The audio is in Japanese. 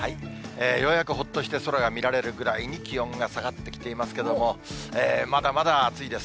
ようやくほっとして空が見られるくらいに気温が下がってきていますけれども、まだまだ暑いです。